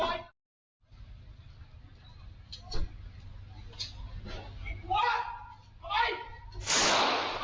ไอ้ควรไหว